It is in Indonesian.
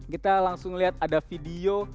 kita langsung lihat ada video